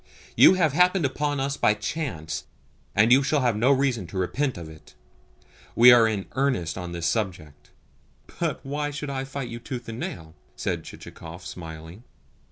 You have happened upon us by chance, and you shall have no reason to repent of it. We are in earnest on this subject." "But why should I fight you tooth and nail?" said Chichikov, smiling.